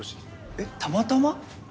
えったまたま？